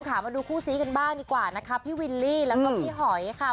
มาดูคู่ซีกันบ้างดีกว่านะคะพี่วิลลี่แล้วก็พี่หอยค่ะ